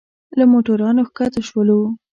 له موټرانو ښکته شولو.